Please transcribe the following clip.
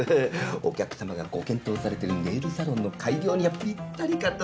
お客様がご検討されてるネイルサロンの開業にはぴったりかと。